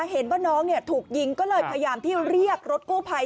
เห็นว่าน้องถูกยิงก็เลยพยายามที่เรียกรถกู้ภัย